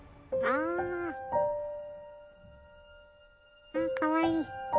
あかわいい。